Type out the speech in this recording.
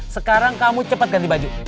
sekarang kamu cepat ganti baju